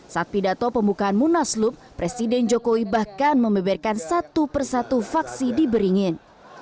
saat pidato pembukaan munaslup presiden jokowi bahkan membeberkan satu persatu faksi di beringin